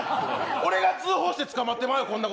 俺が通報して捕まってまうよお前。